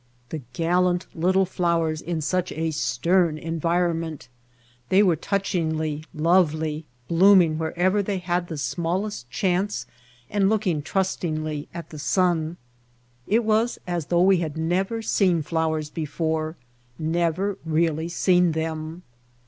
The gallant little flowers in such a stern envi ronment! They were touchingly lovely, bloom ing wherever they had the smallest chance and looking trustingly at the sun. It was as though we had never seen flowers before, never really seen them.